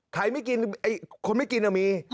ใครไม่กินคนไม่กินก็มี